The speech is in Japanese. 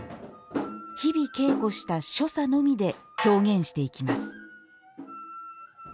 日々稽古した所作のみで表現していきます。